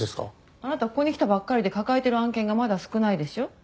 あなたここに来たばっかりで抱えてる案件がまだ少ないでしょ。